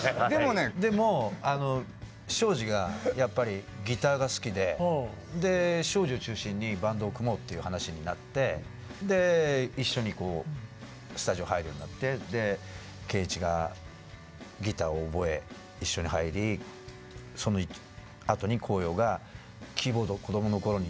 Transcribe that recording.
でも昭次がやっぱりギターが好きで昭次を中心にバンドを組もうっていう話になって一緒にスタジオ入るようになって健一がギターを覚え一緒に入りそのあとに耕陽がキーボードを子どもの頃にやってたっていうことで。